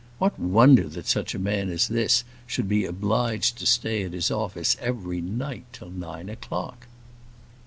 What wonder that such a man as this should be obliged to stay at his office every night till nine o'clock?